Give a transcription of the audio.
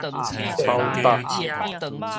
草踏